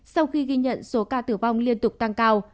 sau khi ghi nhận số ca tử vong liên tục tăng cao